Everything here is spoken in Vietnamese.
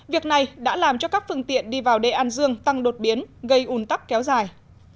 việc này đã làm cho các phương tiện đi vào đ an dương tăng đột biến gây ủn tắc kéo dài